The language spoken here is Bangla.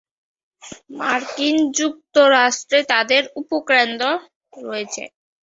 মার্কিন যুক্তরাষ্ট্রে তাদের উপকেন্দ্র রয়েছে।